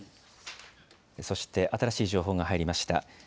そして新しい情報が入りました。